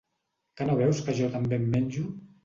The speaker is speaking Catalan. Que no veus que jo també en menjo?